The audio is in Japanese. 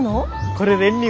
これ練乳。